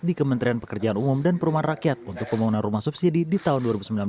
di kementerian pekerjaan umum dan perumahan rakyat untuk pembangunan rumah subsidi di tahun dua ribu sembilan belas